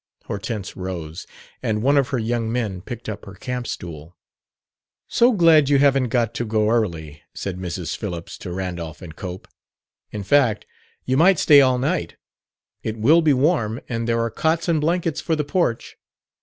Hortense rose, and one of her young men picked up her campstool. "So glad you haven't got to go early," said Mrs. Phillips to Randolph and Cope. "In fact, you might stay all night. It will be warm, and there are cots and blankets for the porch."